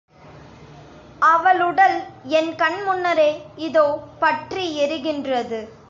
அவளுடல் என் கண் முன்னரே இதோ பற்றி எரிகின்றது.